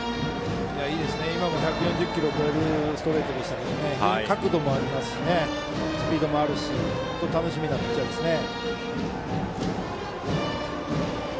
今も１４０キロを超えるストレートでしたけど角度もありますしスピードもあるし楽しみなピッチャーですね。